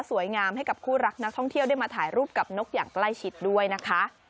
ให้กับคู่รักนักท่องเที่ยวได้มาถ่ายรูปกับนกอย่างใกล้ชิดด้วยนะคะ